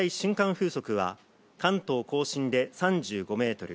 風速は関東甲信で３５メートル。